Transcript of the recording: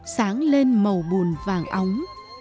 sáng lên màu bùn vàng óng